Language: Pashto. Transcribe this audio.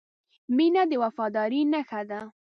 • مینه د وفادارۍ نښه ده.